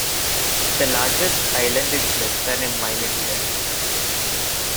The largest island is less than a mile in length.